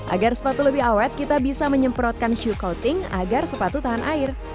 agar sepatu lebih awet kita bisa menyemprotkan show couting agar sepatu tahan air